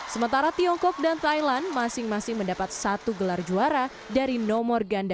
sementara tiongkok dan thailand masing masing mendapat satu gelar juara dari nomor ganda